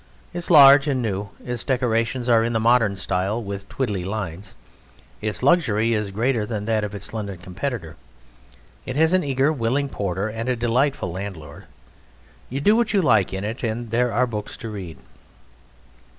It is large and new; its decorations are in the modern style with twiddly lines. Its luxury is greater than that of its London competitor. It has an eager, willing porter and a delightful landlord. You do what you like in it and there are books to read.